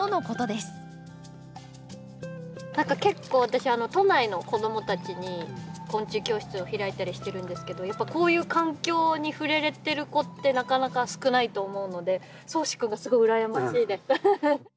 何か結構私都内の子どもたちに昆虫教室を開いたりしてるんですけどこういう環境に触れられてる子ってなかなか少ないと思うので蒼士君がすごい羨ましいです。